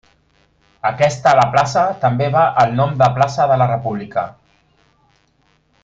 Aquesta a la plaça també va el nom de plaça de la República.